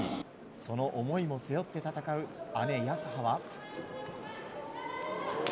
その思いも背負って戦う姉・泰葉は。